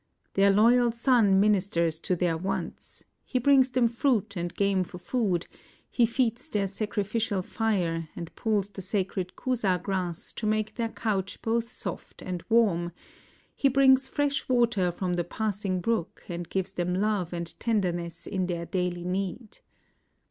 Their loyal son ministers to their wants ; he brings them fruit and game for food ; he feeds their sacrificial fire and pulls the sacred kusa grass to make their couch both soft and warm; he brings fresh water from the passing brook and gives them lo\'e and tenderness in their daily need.